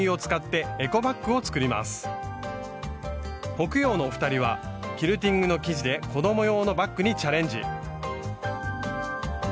北陽のお二人はキルティングの生地で子供用のバッグにチャレンジ。